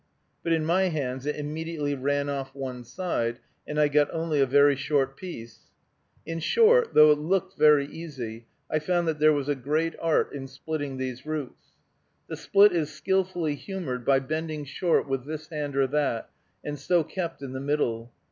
But in my hands it immediately ran off one side, and I got only a very short piece. In short, though it looked very easy, I found that there was a great art in splitting these roots. The split is skillfully humored by bending short with this hand or that, and so kept in the middle.